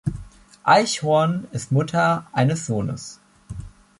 Eichhorn ist Mutter eines Sohnes.